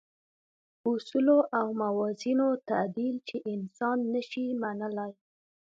اصولو او موازینو تعدیل چې انسان نه شي منلای.